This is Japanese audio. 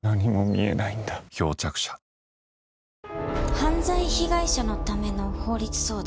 犯罪被害者のための法律相談？